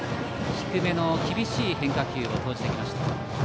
低めの厳しい変化球を投じてきました。